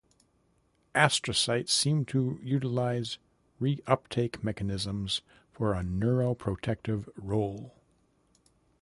Astrocytes seem to utilize reuptake mechanisms for a neuroprotective role.